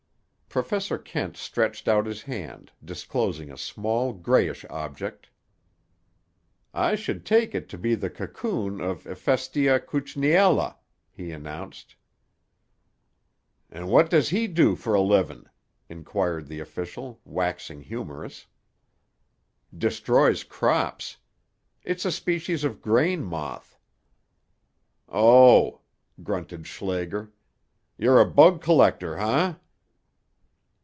Professor Kent stretched out his hand, disclosing a small grayish object. "I should take it to be the cocoon of Ephestia kuchniella," he announced. "An' wot does he do for a livin'?" inquired the official, waxing humorous. "Destroys crops. It's a species of grain moth." "Oh!" grunted Schlager. "You're a bug collector, eh?"